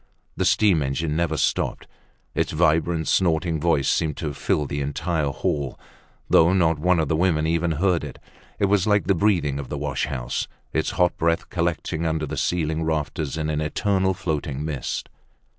The steam engine never stopped. Its vibrant, snorting voice seemed to fill the entire hall, though not one of the women even heard it. It was like the breathing of the wash house, its hot breath collecting under the ceiling rafters in an eternal floating mist.